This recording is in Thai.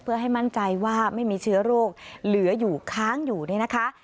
เพื่อให้มั่นใจว่าไม่มีเชื้อโรคเหลืออยู่ค้างอยู่เนี่ยนะคะ